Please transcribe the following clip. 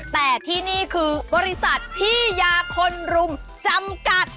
แต่ที่นี่คือบริษัทพี่ยาคนรุมจำกัด